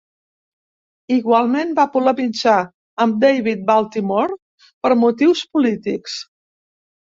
Igualment va polemitzar amb David Baltimore per motius polítics.